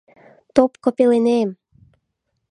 Топко пеленем!